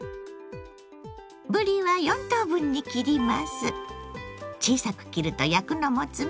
ぶりは４等分に切ります。